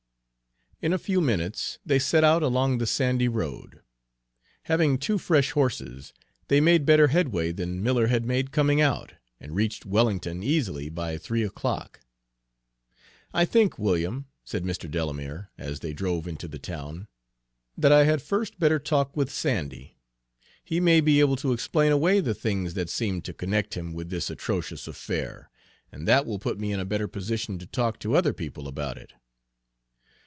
In a few minutes they set out along the sandy road. Having two fresh horses, they made better headway than Miller had made coming out, and reached Wellington easily by three o'clock. "I think, William," said Mr. Delamere, as they drove into the town, "that I had first better talk with Sandy. He may be able to explain away the things that seem to connect him with this atrocious affair; and that will put me in a better position to talk to other people about it."